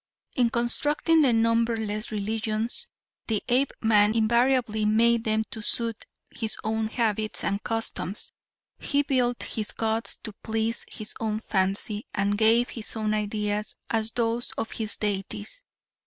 In constructing the numberless religions, the Apeman invariably made them to suit his own habits and customs. He built his gods to please his own fancy and gave his own ideas as those of his deities.